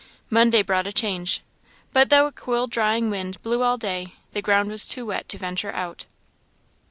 Monday brought a change, but though a cool drying wind blew all day, the ground was too wet to venture out.